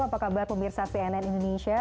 apa kabar pemirsa cnn indonesia